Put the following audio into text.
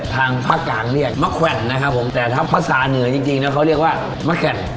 ทางภาคกลางเรียกมะแขวนนะครับผมแต่ถ้าภาษาเหนือจริงนะเขาเรียกว่ามะแก่น